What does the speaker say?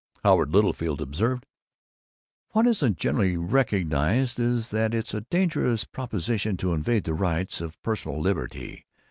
Howard Littlefield observed, "What isn't generally realized is that it's a dangerous prop'sition to invade the rights of personal liberty.